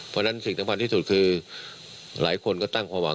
เพราะงั้นสิ่งที่สุดคือหลายคนก็ตั้งความหวังกับวัคซีนมาก